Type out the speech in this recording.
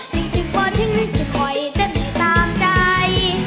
จริงจริงป่อจริงนิ่งจริงคอยเจ็ดให้ตามใจ